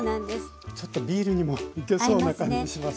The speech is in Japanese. ちょっとビールにもいけそうな感じします。